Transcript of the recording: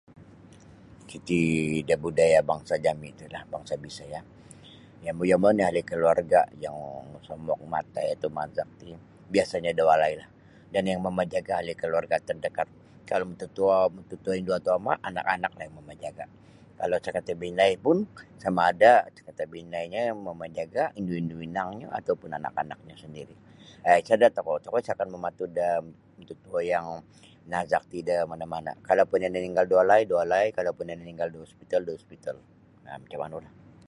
Iti da budaya bangsa jami tilah bangsa Bisaya yombo-yombo oni ahli keluarga yang mosomok matai atau mazak ti biasanyo da walailah dan yang mamajaga ahli keluarga terdekat kalau mutuo mututuindu atau ama anak-anak nio mamajaga kalau sangkatabinai pun sama ada katabinainyo yang mamajaga indu-indu inangnyo atau pun anak-anaknyo sandiri. um Isada tokou tokou isa akan mangatud da mututuo yang nazak ti da mana-mana kalau pun iyo naninggal da walai da walai kalau pun iyo naninggal da hospital da hospital um macam manulah.